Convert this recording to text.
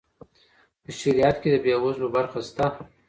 په شریعت کي د بې وزلو برخه سته.